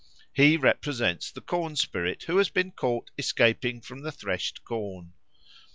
He represents the corn spirit who has been caught escaping from the threshed corn.